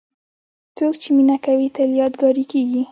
څوک چې مینه کوي، تل یادګاري کېږي.